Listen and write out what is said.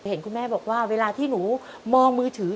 เห็นคุณแม่บอกว่าเวลาที่หนูมองมือถือ